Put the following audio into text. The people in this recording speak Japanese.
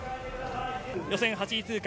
予選８位通過